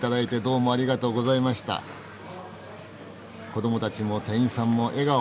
子どもたちも店員さんも笑顔。